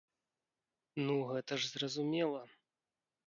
Ну гэта ж зразумела.